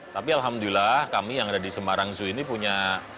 tapi alhamdulillah kami yang ada di semarang zoo ini punya